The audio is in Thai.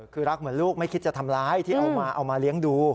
คือรักเหมือนลูกไม่คิดจะทำร้ายที่เอามาเอามาเลี้ยงดู